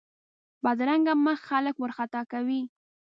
بدرنګه مخ خلک وارخطا کوي